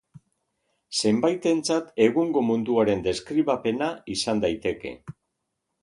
Zenbaitentzat egungo munduaren deskribapena izan daiteke.